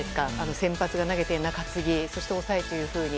先発が投げて、中継ぎそして抑えというふうに。